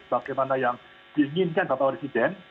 bagaimana yang diinginkan bapak presiden